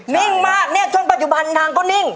นิ่งมากเนี่ยจนปัจจุบันนางก็นิ่ง